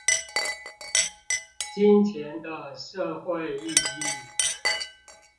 金錢的社會意義